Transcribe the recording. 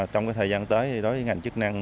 trong thời gian tới đối với ngành chức năng